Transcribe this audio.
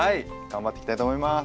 頑張っていきたいと思います。